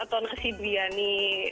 atau nasi biryani